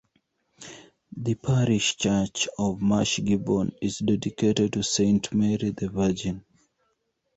The parish church of Marsh Gibbon is dedicated to Saint Mary the Virgin.